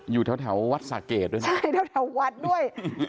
อยู่แถววัดสะเกดด้วยนะใช่แถววัดด้วย